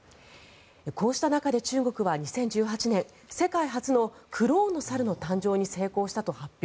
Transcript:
こうした中で中国は２０１８年世界初のクローンの猿の誕生に成功したと発表。